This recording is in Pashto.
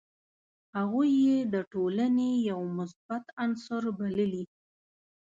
هغوی یې د ټولني یو مثبت عنصر بللي.